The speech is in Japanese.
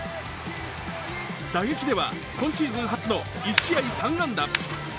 打撃では今シーズン初の１試合３安打。